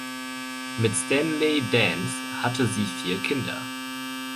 Mit Stanley Dance hatte sie vier Kinder.